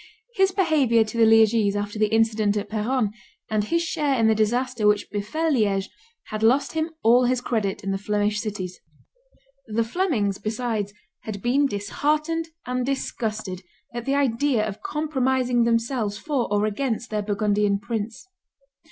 His behavior to the Liegese after the incident at Peronne, and his share in the disaster which befell Liege, had lost him all his credit in the Flemish cities. The Flemings, besides, had been disheartened and disgusted at the idea of compromising themselves for or against their Burgundian prince.